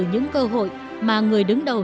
những cơ hội mà người đứng đầu